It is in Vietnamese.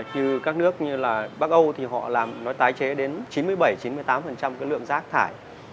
như các nước như là bắc âu thì họ làm nó tái chế đến chín mươi bảy chín mươi tám cái lượng rác thải